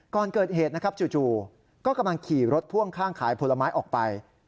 ก่อนเกิดเหตุนะครับจู่ก็กำลังขี่รถพ่วงข้างขายผลไม้ออกไป